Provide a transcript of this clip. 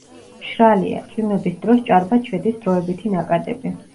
მშრალია; წვიმების დროს ჭარბად შედის დროებითი ნაკადები.